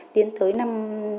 tiến tới năm hai nghìn một mươi sáu